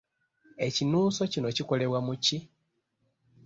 Ekinuuso kino kikolebwa mu ki?